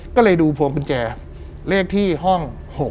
ก็เลยดูพวงกุญแจเลขที่ห้อง๖๖